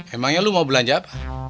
emangnya lu mau belanja apa